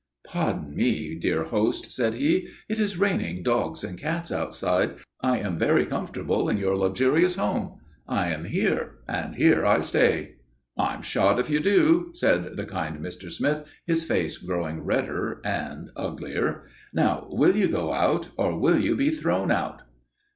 "Pardon me, dear host," said he. "It is raining dogs and cats outside. I am very comfortable in your luxurious home. I am here, and here I stay." "I'm shot if you do," said the kind Mr. Smith, his face growing redder and uglier. "Now, will you go out, or will you be thrown out?"